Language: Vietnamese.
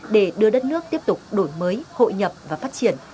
để đưa đất nước tiếp tục đổi mới hội nhập và phát triển